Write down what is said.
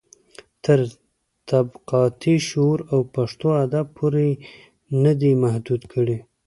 تر طبقاتي شعور او پښتو ادب پورې يې نه دي محدوې کړي.